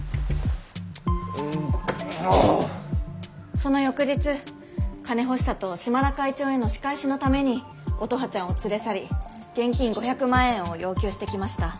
その翌日金欲しさと島田会長への仕返しのために乙葉ちゃんを連れ去り現金５００万円を要求してきました。